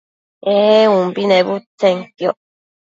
ee umbi nebudtsenquioc